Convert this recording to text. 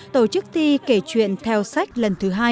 tổ chức thi kể chuyện theo sách lần thứ hai